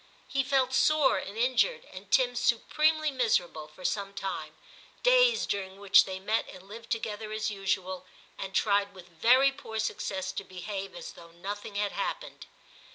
He felt sore and injured, and Tim supremely miserable, for some time ; days during which they met and lived together as usual, and tried with very poor success to behave as though nothing had happened.